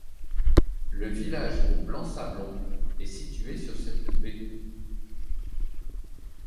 Le village de Blanc-Sablon est situé sur cette baie.